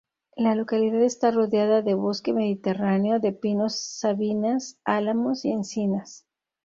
La localidad está rodeada de bosque mediterráneo, de pinos, sabinas, álamos y encinas.